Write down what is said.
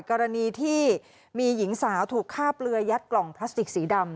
กรณีที่มีหญิงสาวถูกฆ่าเปลือยัดกล่องพลาสติกสีดำ